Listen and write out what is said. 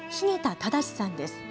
正さんです。